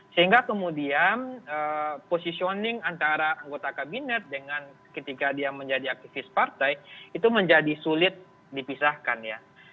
sehingga kemudian positioning antara anggota kabinet dengan ketika dia menjadi aktivis partai itu menjadi sulit dipisahkan ya